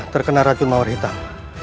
terkena racun mawar hitam